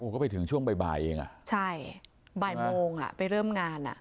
ก็ไปถึงช่วงบ่ายเองอ่ะใช่บ่ายโมงอ่ะไปเริ่มงานอ่ะ